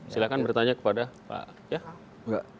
silahkan bertanya kepada pak